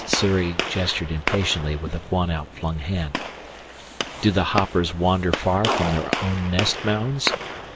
Sssuri gestured impatiently with one outflung hand. "Do the hoppers wander far from their own nest mounds?